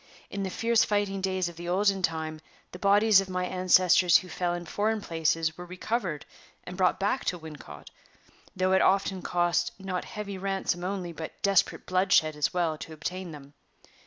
In the fierce fighting days of the olden time, the bodies of my ancestors who fell in foreign places were recovered and brought back to Wincot, though it often cost not heavy ransom only, but desperate bloodshed as well, to obtain them.